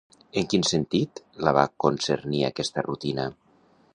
En quin sentit la va concernir aquesta rutina?